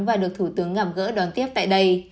và được thủ tướng gặp gỡ đón tiếp tại đây